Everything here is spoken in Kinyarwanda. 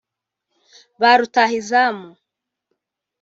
Ba Rutahizamu